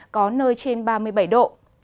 có nơi trên ba mươi bảy độ